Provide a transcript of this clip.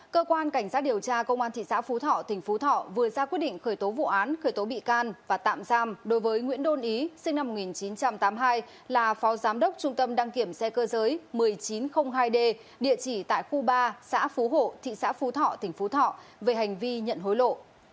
cơ quan cảnh sát điều tra công an thị xã phú thọ tỉnh phú thọ vừa ra quyết định khởi tố vụ án khởi tố bị can và tạm giam đối với nguyễn đôn ý sinh năm một nghìn chín trăm tám mươi hai là phó giám đốc trung tâm đăng kiểm xe cơ giới một nghìn chín trăm linh hai d địa chỉ tại khu ba xã phú hộ thị xã phú thọ tỉnh phú thọ về hành vi nhận hối lộ